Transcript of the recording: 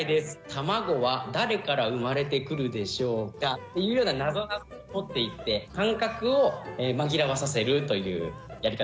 卵は誰から生まれてくるでしょうか」っていうようなナゾナゾに持っていって感覚を紛らわさせるというやり方。